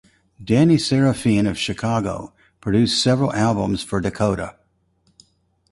Danny Seraphine of Chicago produced several albums for Dakota.